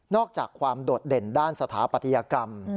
อกจากความโดดเด่นด้านสถาปัตยกรรม